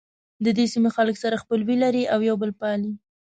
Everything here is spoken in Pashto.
ددې سیمو خلک سره خپلوي لري او یو بل پالي.